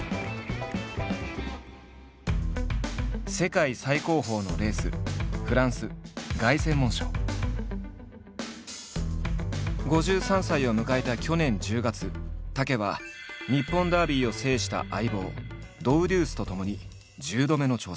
世界最高峰のレース５３歳を迎えた去年１０月武は日本ダービーを制した相棒ドウデュースとともに１０度目の挑戦。